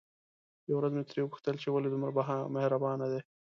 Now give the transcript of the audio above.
يوه ورځ مې ترې وپوښتل چې ولې دومره مهربانه دي؟